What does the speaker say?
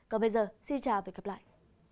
còn bây giờ xin chào và hẹn gặp lại